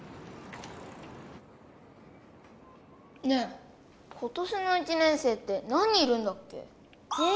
ねえ今年の一年生って何人いるんだっけ？